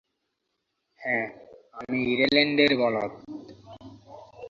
হ্যা, আমি ইরেল্যান্ডের, বলদ।